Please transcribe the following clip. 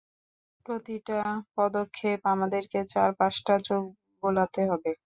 প্রতিটা পদক্ষেপে, আমাদেরকে চারপাশটা চোখ বুলাতে হবে।